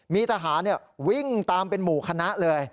มีทหารวิ่งตามเป็นหมู่คณะเลย